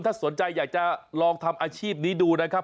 ถ้าสนใจอยากจะลองทำอาชีพนี้ดูนะครับ